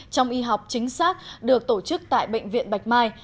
trong y học chính xác được tổ chức tại bệnh viện bạch mai